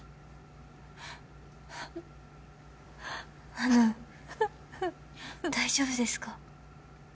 あの大丈夫ですか？